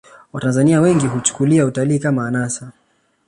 watanzania wengi huchukulia utalii kama anasa